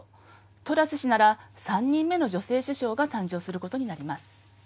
トラス氏なら、３人目の女性首相が誕生することになります。